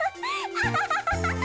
アハハハ！